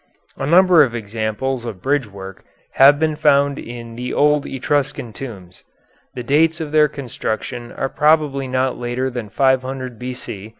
A number of examples of bridgework have been found in the old Etruscan tombs. The dates of their construction are probably not later than 500 B.C.